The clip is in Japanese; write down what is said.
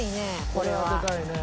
これ当てたいね